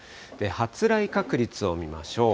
発雷確率を見ましょう。